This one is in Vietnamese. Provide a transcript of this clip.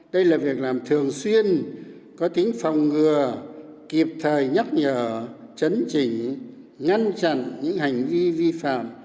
đây là việc làm thường xuyên có tính phòng ngừa kịp thời nhắc nhở chấn chỉnh ngăn chặn những hành vi vi phạm